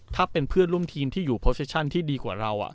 ถ้าเป็นเพื่อนร่วมทีมที่อยู่โปรเซชั่นที่ดีกว่าเรา